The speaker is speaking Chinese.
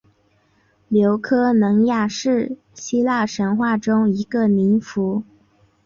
琉科忒亚是希腊神话中一个宁芙。